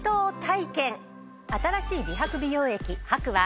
新しい美白美容液ＨＡＫＵは。